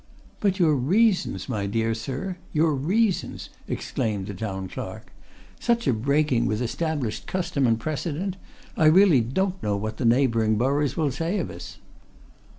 "But your reasons, my dear sir, your reasons!" exclaimed the Town Clerk. "Such a breaking with established custom and precedent! I really don't know what the neighbouring boroughs will say of us!"